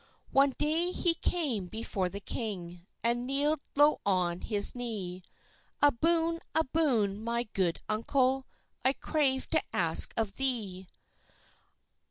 One day he came before the king, And kneel'd low on his knee: "A boon, a boon, my good uncle, I crave to ask of thee!